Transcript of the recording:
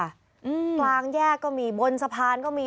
อืมกลางแยกก็มีบนสะพานก็มี